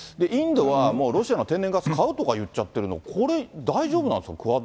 インドは、もうロシアの天然ガス、買うとか言っちゃってるの、これ、大丈夫なんですか？